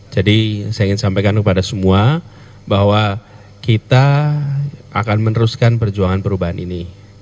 jadi saya ingin sampaikan kepada semua bahwa kita akan meneruskan perjuangan perubahan ini